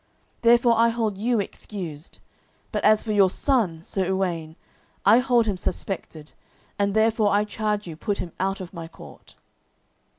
Therefore I hold you excused; but as for your son, Sir Uwaine, I hold him suspected, and therefore I charge you put him out of my court."